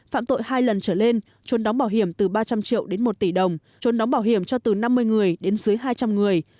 phạm tội hai lần trở lên trốn đóng bảo hiểm từ ba trăm linh triệu đến một tỷ đồng trốn đóng bảo hiểm cho từ năm mươi người đến dưới hai trăm linh người